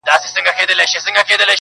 خدایه هغه مه اخلې زما تر جنازې پوري.